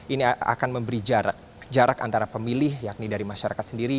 ini akan memberi jarak antara pemilih yakni dari masyarakat sendiri